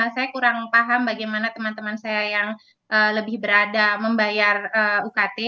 saya kurang paham bagaimana teman teman saya yang lebih berada membayar ukt